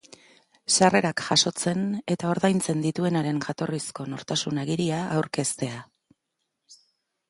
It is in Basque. Sarrerak jasotzen eta ordaintzen dituenaren jatorrizko nortasun agiria aurkeztea.